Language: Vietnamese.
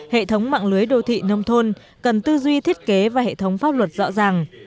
hệ thống mạng lưới đô thị nông thôn cần tư duy thiết kế và hệ thống pháp luật rõ ràng